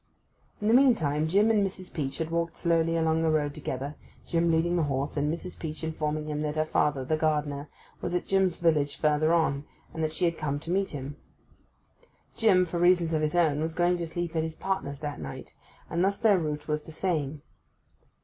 In the meantime Jim and Mrs. Peach had walked slowly along the road together, Jim leading the horse, and Mrs. Peach informing him that her father, the gardener, was at Jim's village further on, and that she had come to meet him. Jim, for reasons of his own, was going to sleep at his partner's that night, and thus their route was the same.